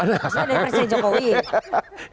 ternyata dari presiden jokowi